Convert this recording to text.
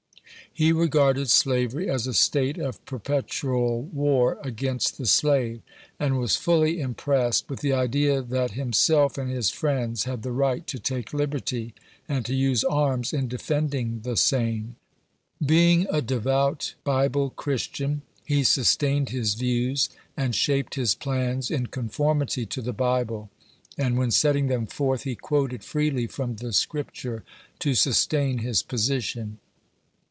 He regarded slavery as a state of perpetual war against the' 10 A VOICE FROM HARPKR'S FKRRY. clave, and was fully impressed with the idea that himself and his friends had the right to take liberty, and to use arms in defending the same. Being a devout Bible Christian, he sustained his views and shaped his plans in conformity to the Bible; and when setting them forth, he quoted freely from the Scripture to sustain his position.